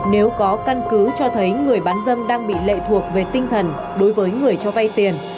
nếu có căn cứ cho thấy người bán dâm đang bị lệ thuộc về tinh thần đối với người cho vay tiền